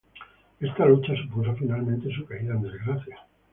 Esta lucha supuso finalmente su caída en desgracia.